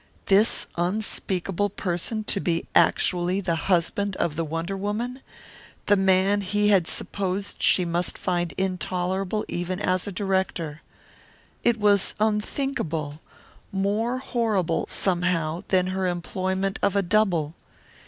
This unspeakable person to be actually the husband of the wonder woman, the man he had supposed she must find intolerable even as a director. It was unthinkable, more horrible, somehow, than her employment of a double.